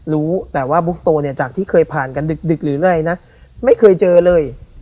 รู้แต่ว่าบุ๊กโตเนี่ยจากที่เคยผ่านกันดึกหรืออะไรนะไม่เคยเจอเลย